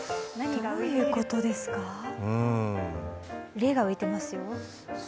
レが浮いてます。